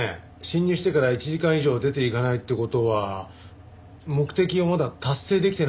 侵入してから１時間以上出ていかないって事は目的をまだ達成できてないって事なんでしょうか？